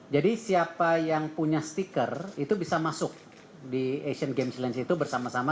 jadi siapa yang punya stiker itu bisa masuk di asian games lens itu bersama sama